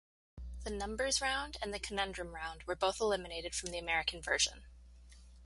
The Numbers round and the Conundrum round were both eliminated from the American version.